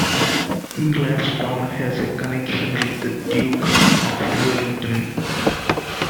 Glaston has a connection with the Duke of Wellington.